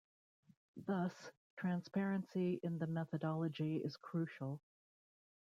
Thus, transparency in the methodology is crucial.